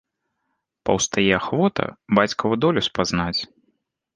Паўстае ахвота бацькаву долю спазнаць.